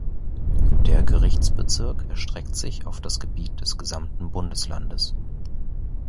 Der Gerichtsbezirk erstreckt sich auf das Gebiet des gesamten Bundeslandes.